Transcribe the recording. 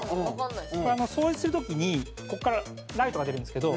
これ掃除する時にここからライトが出るんですけど。